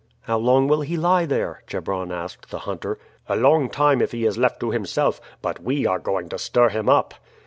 "How long will he lie there?" Chebron asked the hunter. "A long time if he is left to himself, but we are going to stir him up."